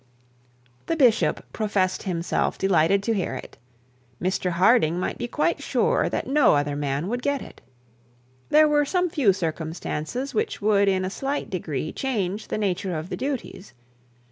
The bishop professed himself delighted to hear it; Mr Harding might be quite sure that no other man would get it. There were some few circumstances which would in a slight degree change the nature of the duties.